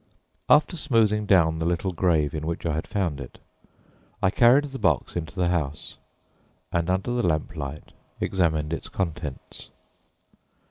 After smoothing down the little grave in which I had found it, I carried the box into the house, and under the lamplight examined its contents.